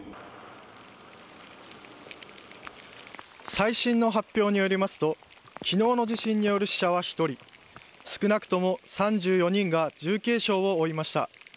最新の発表によりますと昨日の地震による死者は１人少なくとも３４人が重軽傷を負いました。